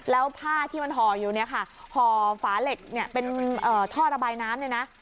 แล้วผ้าที่มันห่ออยู่เนี่ยค่ะห่อฝาเหล็กเนี่ยเป็นท่อระบายน้ำเนี่ยนะ